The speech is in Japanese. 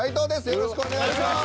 よろしくお願いします。